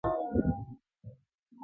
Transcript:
په وهلو یې ورمات کړله هډونه.!